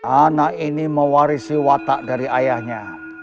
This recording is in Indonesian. anak ini mewarisi watak dari ayahnya